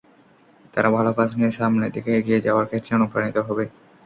তারা ভালো কাজ নিয়ে সামনের দিকে এগিয়ে যাওয়ার ক্ষেত্রে অনুপ্রাণিত হবে।